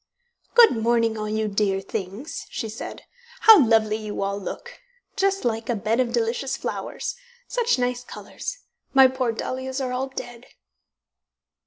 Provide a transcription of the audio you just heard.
"Good morning, all you dear things," she said. "How lovely you all look just like a bed of delicious flowers! Such nice colours! My poor dahlias are all dead."